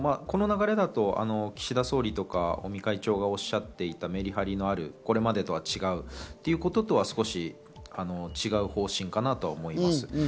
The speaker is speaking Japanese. この流れだと岸田総理や尾身会長がおっしゃっていた、メリハリのある、これまでと違うということとは違う方針かなと思います。